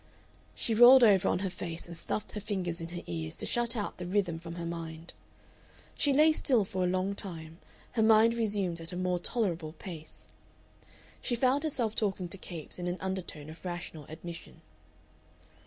She rolled over on her face, and stuffed her fingers in her ears to shut out the rhythm from her mind. She lay still for a long time, and her mind resumed at a more tolerable pace. She found herself talking to Capes in an undertone of rational admission.